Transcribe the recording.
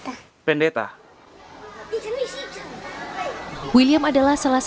itu artinya be tonerievan gendut dalam teknologi